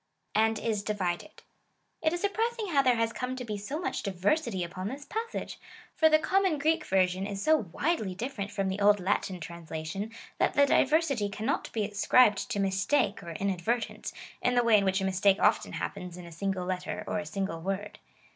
A7id is divided. It is surprising how there has come to be so much diversity upon this passage. For the common Greek version is so widely different from the old Latin translation, that the diversity cannot be ascribed to mistake or inadvertence, in the way in which a mistake often hap pens in a single letter or a single word.